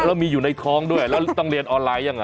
แล้วมีอยู่ในท้องด้วยแล้วต้องเรียนออนไลน์ยังไง